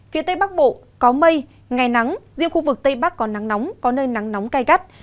phía tây bắc bộ có mây ngày nắng riêng khu vực tây bắc có nắng nóng có nơi nắng nóng gai gắt